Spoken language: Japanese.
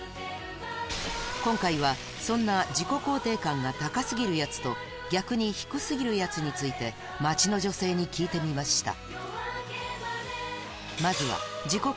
今回はそんな自己肯定感が高過ぎるヤツと逆に低過ぎるヤツについて街の女性に聞いてみました